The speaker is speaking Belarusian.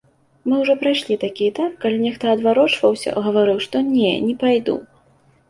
Мы ўжо прайшлі такі этап, калі нехта адварочваўся, гаварыў, што не, не пайду.